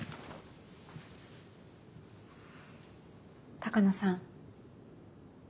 鷹野さん。